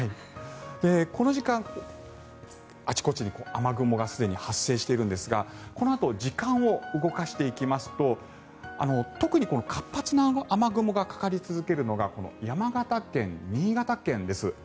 この時間、あちこちに雨雲がすでに発生しているんですがこのあと時間を動かしていきますと特に活発な雨雲がかかり続けるのが山形県、新潟県です。